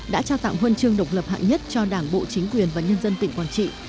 đã trao tặng huân chương độc lập hạng nhất cho đảng bộ chính quyền và nhân dân tỉnh quảng trị